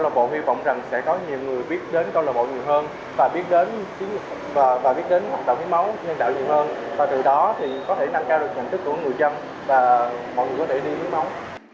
và từ đó thì có thể nâng cao được nhận thức của người dân và mọi người có thể đi hiến máu